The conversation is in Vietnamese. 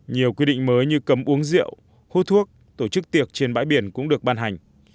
nhiều quy định mới như cấm uống rượu hút thuốc tổ chức tiệc trên bãi biển cũng được ban hành